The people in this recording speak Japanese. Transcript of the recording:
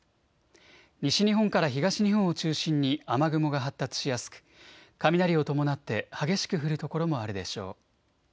西日本から東日本を中心に雨雲が発達しやすく雷を伴って激しく降る所もあるでしょう。